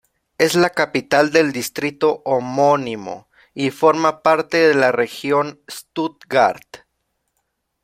Es la capital del distrito homónimo, y forma parte de la Región Stuttgart.